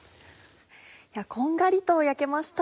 こんがりと焼けました